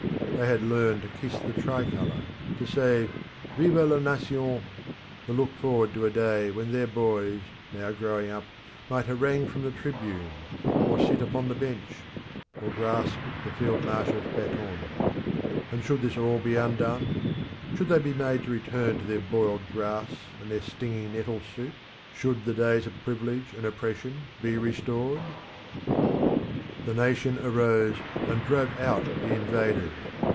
They had learnt to kiss the tricolour; to say Vive la nation! to look forward to a day when their boys, now growing up, might harangue from the Tribune, or sit upon the Bench, or grasp the field marshal's baton. And should all this be undone? Should they be made to return to their boiled grass and their stinging nettle soup? Should the days of privilege and oppression be restored? The nation arose and drove out the invaders.